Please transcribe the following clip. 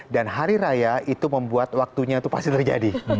dan hari raya itu membuat waktunya itu pasti terjadi